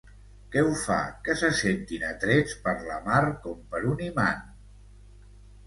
Què ho fa, que se sentin atrets per la mar com per un imant?